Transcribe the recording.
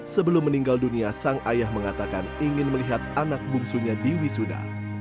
sebelum meninggal dunia sang ayah mengatakan ingin melihat anak bungsunya di wisuda